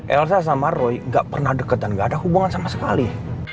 elsa sama roy gak pernah deketan gak ada hubungan sama sekali